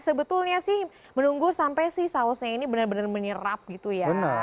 sebetulnya sih menunggu sampai sih sausnya ini benar benar menyerap gitu ya